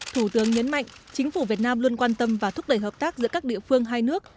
thủ tướng nhấn mạnh chính phủ việt nam luôn quan tâm và thúc đẩy hợp tác giữa các địa phương hai nước